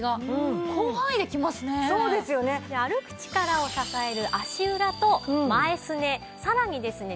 歩く力を支える足裏と前すねさらにですね